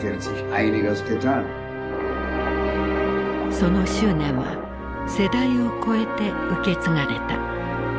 その執念は世代を超えて受け継がれた。